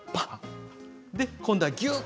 今度は、ぎゅっ。